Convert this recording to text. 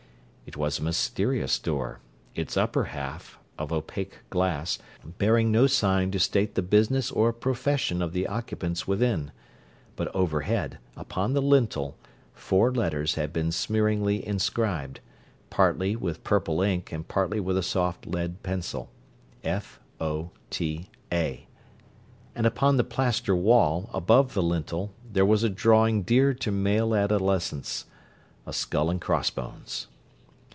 It was a mysterious door, its upper half, of opaque glass, bearing no sign to state the business or profession of the occupants within; but overhead, upon the lintel, four letters had been smearingly inscribed, partly with purple ink and partly with a soft lead pencil, "F. O. T. A." and upon the plaster wall, above the lintel, there was a drawing dear to male adolescence: a skull and crossbones.